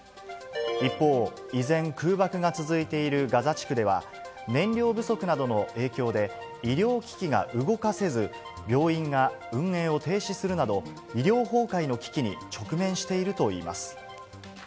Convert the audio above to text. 一方、依然、空爆が続いているガザ地区では、燃料不足などの影響で、医療機器が動かせず、病院が運営を停止するなど、医療崩壊の危機に直面しているといいます。